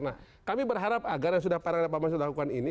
nah kami berharap agar yang sudah para pak basu lakukan ini